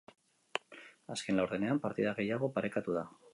Azken laurdenean, partida gehiago parekatu da.